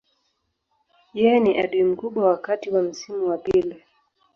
Yeye ni adui mkubwa wakati wa msimu wa pili.